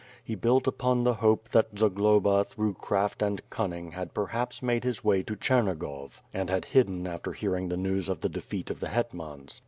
He built upon the hope that Zagloba through craft and cunning had perhapi made his way to Chernigov, and had hidden after hearing the news of the defeat of the hetmans.